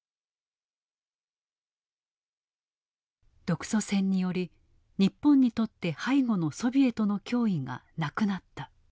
独ソ戦により日本にとって背後のソビエトの脅威がなくなった。